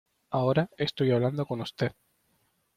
ahora estoy hablando con usted.